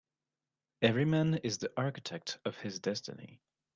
Every man is the architect of his destiny.